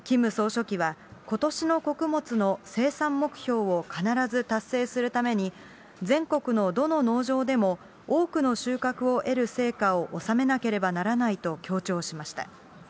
キム総書記はことしの穀物の生産目標を必ず達成するために、全国のどの農場でも多くの収穫を得る成果を収めなければならないと強調しました。